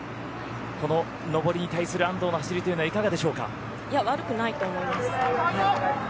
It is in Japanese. この上りに対する安藤の走りというのは悪くないと思います。